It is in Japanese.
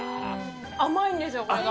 甘いんですよ、これが。